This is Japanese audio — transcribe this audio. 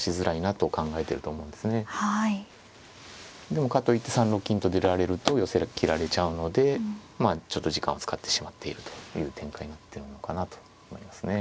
でもかといって３六金と出られると寄せきられちゃうのでまあちょっと時間を使ってしまっているという展開になってるのかなと思いますね。